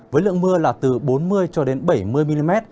với lượng mưa là từ bốn mươi cho đến bảy mươi mm